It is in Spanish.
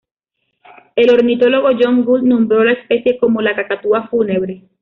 El ornitólogo John Gould nombró a la especie como la "cacatúa fúnebre".